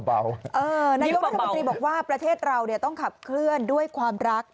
นายกรัฐมนตรีบอกว่าประเทศเราต้องขับเคลื่อนด้วยความรัก